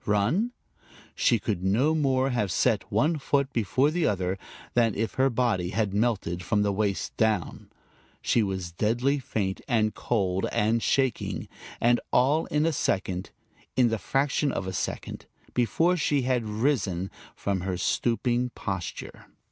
Run? She could no more have set one foot before the other, than if her body had melted from the waist down. She was deadly faint and cold and shaking, and all in a second, in the fraction of a second, before she had risen from her stooping posture.